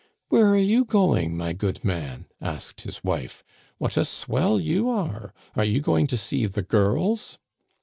"* Where are you going, my good man ?* asked his wife. *What a swell you are! Are you going to see the girls